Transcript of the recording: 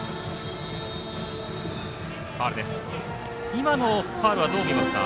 今のファウルはどう見ますか？